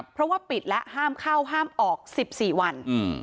เพราะว่าปิดแล้วห้ามเข้าห้ามออก๑๔วัน